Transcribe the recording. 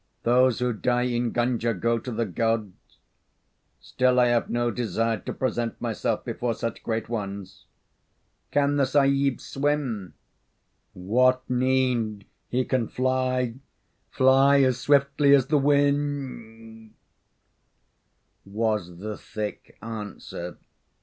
Those who die in Gunga go to the Gods. Still, I have no desire to present myself before such great ones. Can the Sahib swim?" "What need? He can fly fly as swiftly as the wind," was the thick answer.